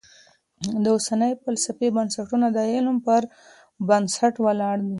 د اوسنۍ فلسفې بنسټونه د علم پر بنسټ ولاړ دي.